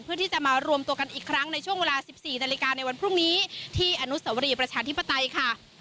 เพื่อที่จะมารวมตัวกันอีกครั้งในช่วงเวลา๑๔นาฬิกาในวันพรุ่งนี้ที่อนุสวรีประชาธิปไตยค่ะ